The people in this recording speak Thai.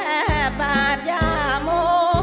แทบอาจยาโม